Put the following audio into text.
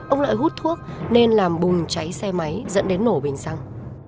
ông lại hút thuốc nên làm bùng cháy xe máy dẫn đến nổ bình xăng